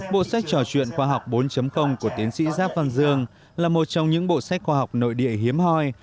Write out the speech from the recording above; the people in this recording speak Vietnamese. bộ sách trò chuyện khoa học bốn của tiến sĩ giáp văn dương là một trong những bộ sách khoa học nội địa hiếm hoi